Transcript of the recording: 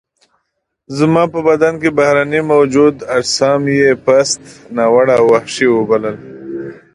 زما په بدن کې بهرني موجود اجسام یې پست، ناوړه او وحشي وبلل.